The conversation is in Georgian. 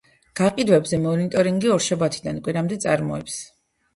გაყიდვებზე მონიტორინგი ორშაბათიდან კვირამდე წარმოებს.